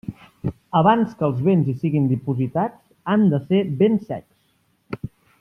Abans que els béns hi siguin dipositats, han de ser ben secs.